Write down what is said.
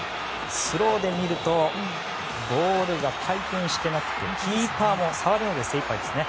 スローで見るとボールが回転していなくてキーパーも触るのに精いっぱいですね。